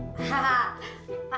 pak pak bercanda ya